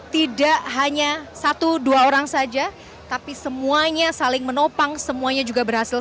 tidak hanya satu dua orang saja tapi semuanya saling menopang semuanya juga berhasil